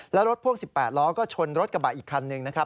และรถพ่วง๑๘ล้อก็ชนรถกระบะอีกคันหนึ่งนะครับ